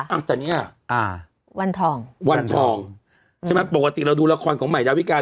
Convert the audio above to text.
อ่ะแต่เนี้ยอ่าวันทองวันทองใช่ไหมปกติเราดูละครของใหม่ดาวิกา